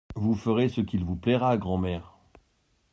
Vous ferez ce qu'il vous plaira, grand'mère.